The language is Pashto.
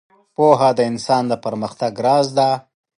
• پوهه د انسان د پرمختګ راز دی.